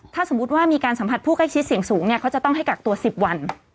ถ้าสมมุติว่ามีการสัมผัสผู้ใกล้ชิดเสี่ยงสูงเนี่ยเขาจะต้องให้กักตัว๑๐วัน